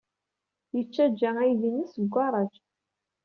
Yettaǧǧa aydi-nnes deg ugaṛaj.